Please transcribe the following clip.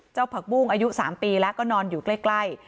ผักบุ้งอายุ๓ปีแล้วก็นอนอยู่ใกล้